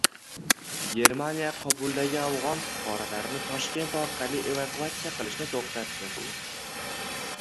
Germaniya Kobuldagi afg‘on fuqarolarini Toshkent orqali evakuasiya qilishni to‘xtatdi